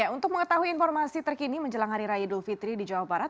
untuk mengetahui informasi terkini menjelang hari raya idul fitri di jawa barat